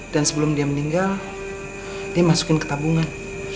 dan sebelum dia meninggal dia masukin ke tabungan